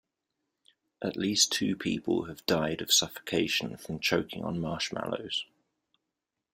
At least two people have died of suffocation from choking on marshmallows.